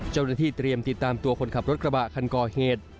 เจ้าหน้าที่เตรียมติดตามตัวคนขับรถกระบะคันก่อเหตุ